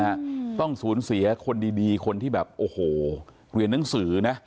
อืมต้องสูญเสียคนดีดีคนที่แบบโอ้โหเรียนหนังสือนะ